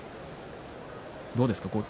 どうですか？